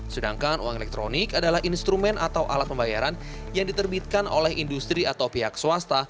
sedangkan uang elektronik adalah instrumen atau alat pembayaran yang diterbitkan oleh industri atau pihak swasta